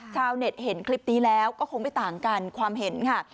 ชาวเน็ตเห็นคลิปนี้แล้วก็คงไม่ต่างกันความเห็นค่ะ